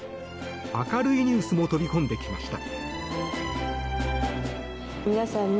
明るいニュースも飛び込んできました。